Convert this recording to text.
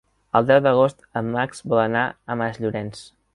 El deu d'agost en Max vol anar a Masllorenç.